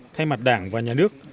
thay mặt đảng và nhà nước